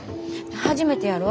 初めてやろ？